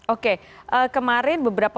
oke kemarin beberapa